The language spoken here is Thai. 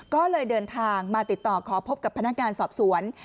ก็เลยเดินทางมาติดต่อขอพบกับพนักงานสอบสวน